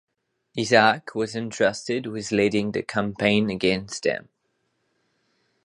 Isaac was entrusted with leading the campaign against them.